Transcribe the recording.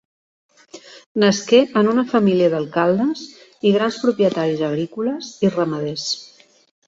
Nasqué en una família d'alcaldes i grans propietaris agrícoles i ramaders.